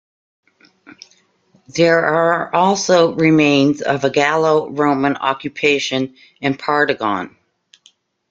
There are also remains of a Gallo-Roman occupation in Pardigon.